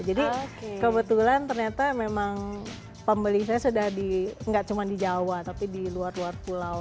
jadi kebetulan ternyata memang pembeli saya sudah di nggak cuma di jawa tapi di luar luar pulau